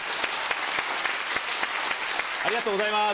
ありがとうございます。